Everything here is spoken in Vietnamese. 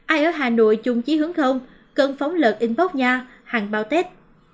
ai ở hà nội chung chí hướng không cần phóng lợt inbox nha hàng bao tết